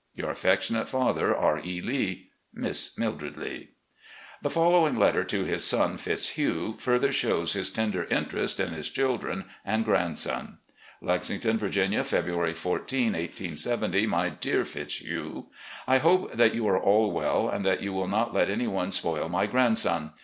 " Your affectionate father, R. E. Lee. "Miss Mildred Lee.'' The following letter to his son, Fitzhugh, further shows his tender interest in his children and grandson: 384 RECOLLECTIONS OF GENERAL LEE "Lexington, Viiginia, February 14, 1870. "My Dear Fitzhugh: ... I hope that you are aH well and that you will not let any one spoil my grandson.